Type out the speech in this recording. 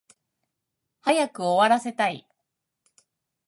早く終わらせたい